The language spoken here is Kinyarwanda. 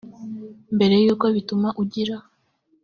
mbere y uko bituma ugira